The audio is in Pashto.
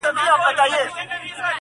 په رګو کي د وجود مي لکه وینه,